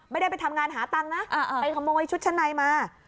ไม่ได้ไปทำงานหาตังค์นะไปขโมยชุดชั้นในมา